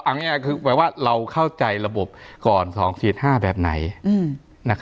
อันนี้คือหมายว่าเราเข้าใจระบบก่อน๒๔๕แบบไหน